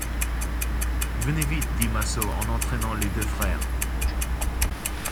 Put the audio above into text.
Venez vite, dit Massot en entraînant les deux frères.